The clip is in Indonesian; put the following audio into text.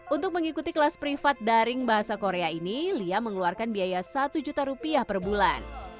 untuk mengikuti kelas privat daring bahasa korea ini lia mengeluarkan biaya satu juta rupiah per bulan